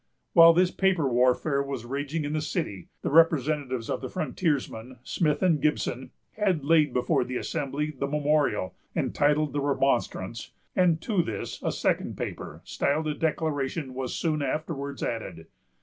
While this paper warfare was raging in the city, the representatives of the frontiersmen, Smith and Gibson, had laid before the Assembly the memorial, entitled the Remonstrance; and to this a second paper, styled a Declaration, was soon afterwards added.